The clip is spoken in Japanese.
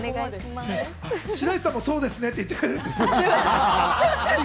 白石さんもそうですねと言ってくれるんだ。